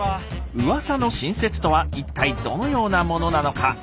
うわさの新説とは一体どのようなものなのか。